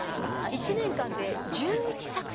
１年間で１１作品。